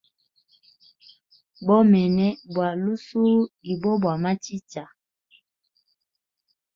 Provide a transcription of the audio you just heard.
Bomene bwa lusuhu ibo bwa machicha.